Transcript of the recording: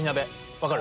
分かる？